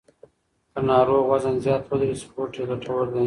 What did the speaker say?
که ناروغ وزن زیات ولري، سپورت یې ګټور دی.